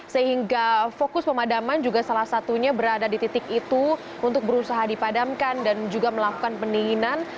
sehingga fokus pemadaman juga salah satunya berada di titik itu untuk berusaha dipadamkan dan juga melakukan pendinginan